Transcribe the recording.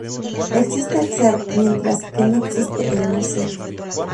Existe el Ser, mientras que no existe el no-Ser.